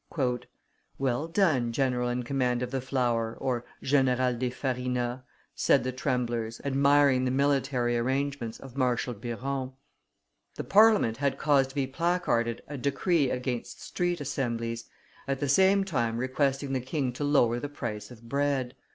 "Well done, general in command of the flour (general des farina)," said the tremblers, admiring the military arrangements of Marshal Biron. The Parliament had caused to be placarded a decree against street assemblies, at the same time requesting the king to lower the price of bread.